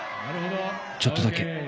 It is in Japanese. ちょっとだけ。